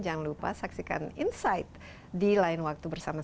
jangan lupa saksikan insight di lain waktu bersama